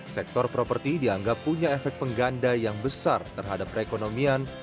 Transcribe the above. sektor properti dianggap punya efek pengganda yang besar terhadap perekonomian